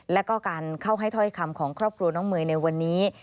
แล้วก็การเข้าให้ถ้อยคำของครอบครัวน้องเมย์ในวันนี้